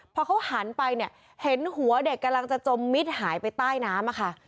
พอเขาหันไปเนี่ยเห็นหัวเด็กกำลังจะจมมิดหายไปใต้น้ำอะค่ะ